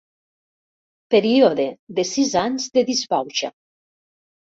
Període de sis anys de disbauxa.